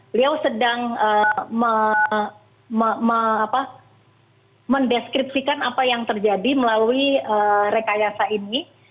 beliau sedang mendeskripsikan apa yang terjadi melalui rekayasa ini